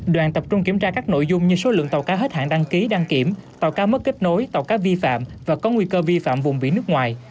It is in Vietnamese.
đoàn tập trung kiểm tra các nội dung như số lượng tàu cá hết hạn đăng ký đăng kiểm tàu ca mất kết nối tàu cá vi phạm và có nguy cơ vi phạm vùng biển nước ngoài